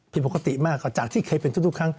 ผิดปกติมากกว่าจากที่เคยเป็นทุกครั้ง